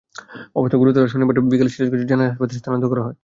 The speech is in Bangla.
অবস্থা গুরুতর হওয়ায় শনিবার তাকে সিরাজগঞ্জ জেনারেল হাসপাতালে স্থানান্তর করা হয়।